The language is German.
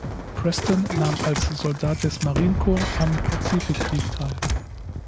Preston nahm als Soldat des Marine Corps am Pazifikkrieg teil.